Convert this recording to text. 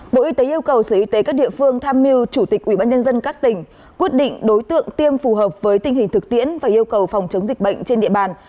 bộ y tế yêu cầu sở y tế các địa phương tham mưu chủ tịch ubnd các tỉnh quyết định đối tượng tiêm phù hợp với tình hình thực tiễn và yêu cầu phòng chống dịch bệnh trên địa bàn